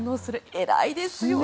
えらいですよね。